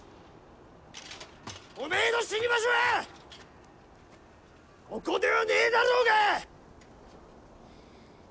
おめえの死に場所はここではねえだろうが！